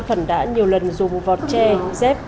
khẩn đã nhiều lần dùng vọt che dép